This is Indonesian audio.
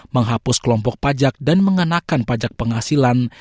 menghapus kelompok pajak dan mengenakan pajak penghasilan